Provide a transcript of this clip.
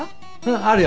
あるよ。